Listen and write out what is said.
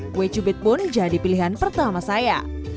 kue cubit pun jadi pilihan pertama saya